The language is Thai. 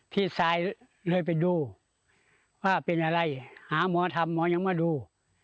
พี่ซายเริ่มเป็นดู